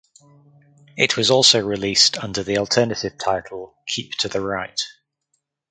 It was also released under the alternative title Keep to the Right.